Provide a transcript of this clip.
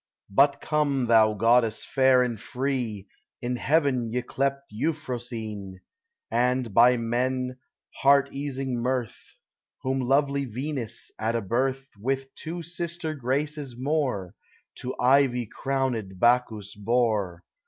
But come, thou goddess fair and free, In heaven ycleped Euphrosyne, And, by men, heart easing Mirth ; Whom lovely Venus, at a birth, With two sister Graces more, To ivy crowned Bacchus bore ; vi — 16 242 POEMS OF SMNTIMENT.